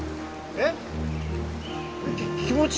えっ？